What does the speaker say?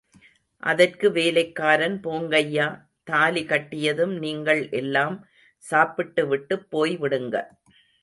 அதற்கு வேலைக்காரன்— போங்கையா—தாலி கட்டியதும் நீங்கள் எல்லாம் சாப்பிட்டுவிட்டுப் போய்விடுங்க.